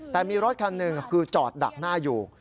แต่มีรถคันหนึ่งคือจอดดักหน้าอยู่